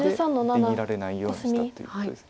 出切られないようにしたっていうことです。